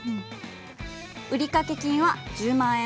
売掛金は１０万円。